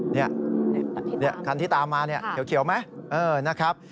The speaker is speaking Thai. นี่คันที่ตามมาเขียวไหมเออนะครับ